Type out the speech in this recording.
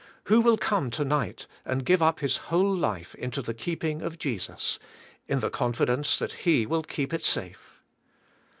Who will come, to night, and give up His whole life into the keeping of Jesus, in the confidence that He will keep it safe?